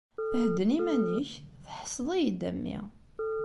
Hedden iman-ik, tḥesseḍ-iyi-d a mmi!